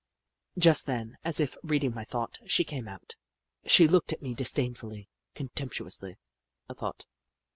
Just then, as if reading my thought, she came out. She looked at me disdainfully — contemptu ously, I thought.